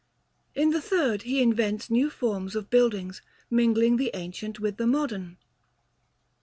In the third he invents new forms of buildings, mingling the ancient with the modern.